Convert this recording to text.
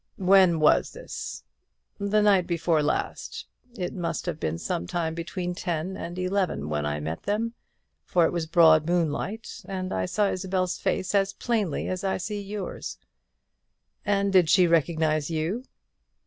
"When was this?" "The night before last. It must have been some time between ten and eleven when I met them, for it was broad moonlight, and I saw Isabel's face as plainly as I see yours." "And did she recognize you?"